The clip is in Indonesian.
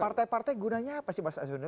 partai partai gunanya apa sih pak asyidun